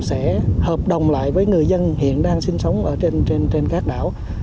họ sẽ hợp đồng lại với người dân hiện đang sinh sống trên các đảo